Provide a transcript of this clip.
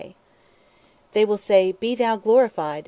P: They will say: Be Thou Glorified!